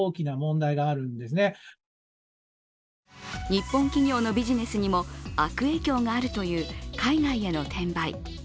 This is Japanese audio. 日本企業のビジネスにも悪影響があるという海外への転売。